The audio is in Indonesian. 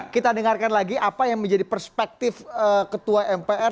kita dengarkan lagi apa yang menjadi perspektif ketua mpr